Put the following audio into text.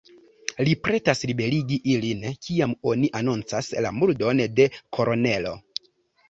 Li pretas liberigi ilin, kiam oni anoncas la murdon de kolonelo.